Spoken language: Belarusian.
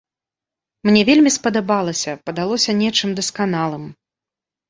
Мне вельмі спадабалася, падалося нечым дасканалым.